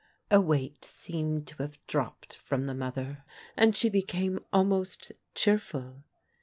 A weight seemed to have dropped from the mother, and she became almost cheerful.